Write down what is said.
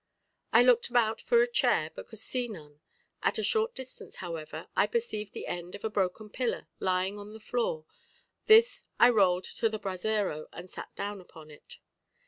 I looked about for a chair, but could see none: at a short distance, however, I perceived the end of a broken pillar lying on the floor; this I rolled to the brasero, and sat down upon it.